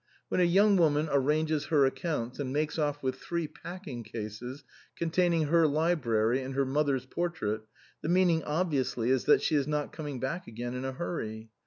When a young woman arranges her accounts, and makes off with three packing cases, con taining her library and her mother's portrait, the meaning obviously is that she is not coming back again in a hurry.